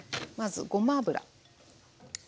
まずごま油。